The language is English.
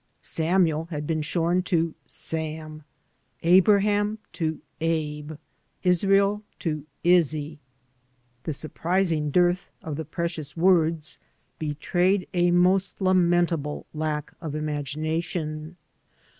Samuel had been shorn to Sam, Abraham to Abe, Israel to Izzy. The sur prising dearth of the precious words betrayed a most lamentable lack of imagination.